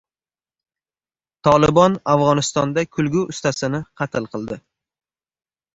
"Tolibon" Afg‘onistonda kulgi ustasini qatl qildi